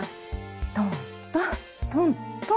トントントントン。